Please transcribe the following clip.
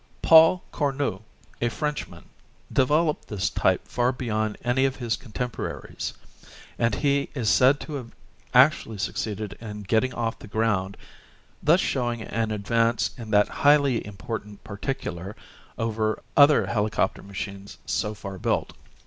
Paul Cornu, a Frenchman, developed this type far beyond any of his contempora ries, Fig. 15, and he is said to have actually succeeded in getting off the ground, thus showing an advance in that highly important particular over other helicopter machines so far built.